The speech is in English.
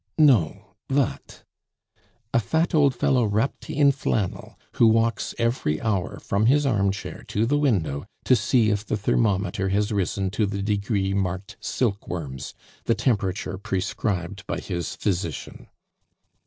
"No vat?" "A fat old fellow wrapped in flannel, who walks every hour from his armchair to the window to see if the thermometer has risen to the degree marked 'Silkworms,' the temperature prescribed by his physician."